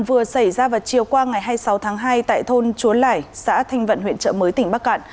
vừa xảy ra vào chiều qua ngày hai mươi sáu tháng hai tại thôn chúa lẻi xã thanh vận huyện trợ mới tỉnh bắc cạn